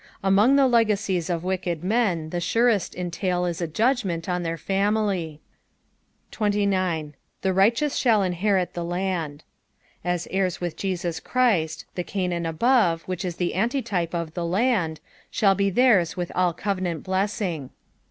Among tbe legacies of wicked men ttie surest ent^l is a judgment on their 30. " The righteovt ihall inherit the land.''' As heirs with Jesus Christ, the Canaan above, which is the antitype of " the land," shall be theirs with all covenant blessing.